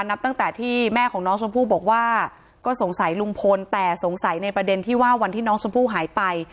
นับตั้งแต่ที่แม่ของน้องชมพู่บอกว่าก็สงสัยลุงพลแต่สงสัยในประเด็นที่ว่าวันที่น้องชมพู่หายไป